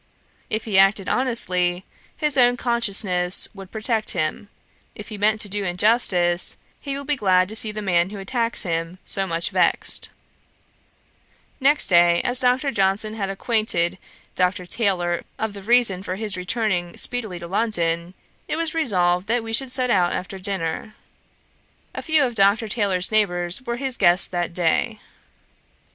If he acted honestly, his own consciousness will protect him; if he meant to do injustice, he will be glad to see the man who attacks him, so much vexed,' Next day, as Dr. Johnson had acquainted Dr. Taylor of the reason for his returning speedily to London, it was resolved that we should set out after dinner. A few of Dr. Taylor's neighbours were his guests that day.